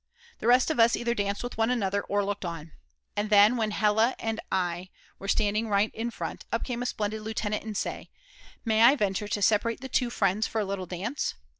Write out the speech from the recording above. The rest of us either danced with one another or looked on. And then, when Hella and I were standing right in front, up came a splendid lieutenant and said: "May I venture to separate the two friends for a little dance?"